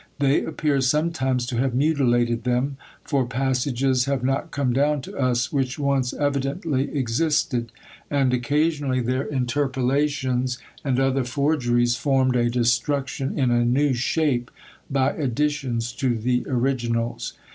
They appear sometimes to have mutilated them, for passages have not come down to us, which once evidently existed; and occasionally their interpolations and other forgeries formed a destruction in a new shape, by additions to the originals.